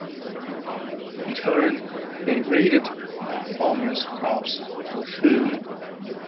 In turn, they raided the farmers' crops for food.